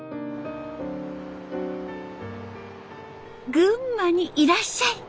「群馬にいらっしゃい」。